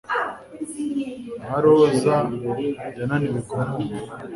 Nka roza yananiwe kumwumva